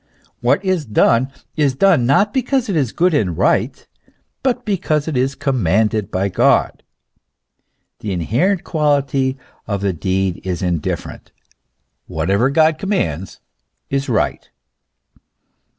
What is done, is done not because it is good and right, but because it is commanded by God. The inherent quality of the deed is indifferent ; what 208 THE ESSENCE OF CHRISTIANITY. ever God commands is right.